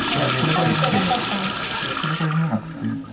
いやそれが読めなくて。